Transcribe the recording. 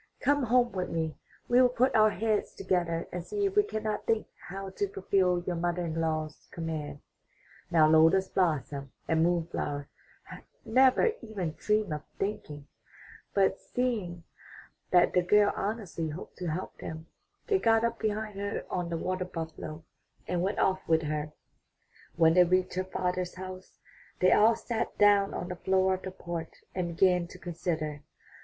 Come home with me; we will put our heads together and see if we cannot think how to fulfill your mother in law's commands." Now Lotus blossom and Moon flower had never even dreamed of thinking, but seeing that the girl honestly hoped to help them, they got up behind her on the water buffalo and went off with her. When they reached her father's house, they all sat down on the floor of the porch and began to consider.